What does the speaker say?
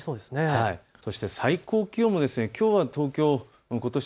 そして最高気温もきょうは東京、ことし